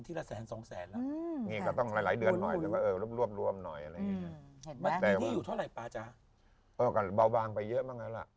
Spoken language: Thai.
แต่เราก็อยู่ได้ไม่ต้องไปคิดมาก